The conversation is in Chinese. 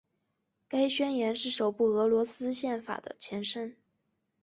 该宣言是首部俄罗斯宪法的前身。